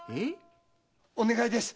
お願いです